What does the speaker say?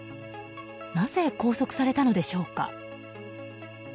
なぜ拘束されたのでしょうか。